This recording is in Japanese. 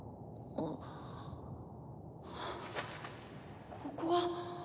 あここは。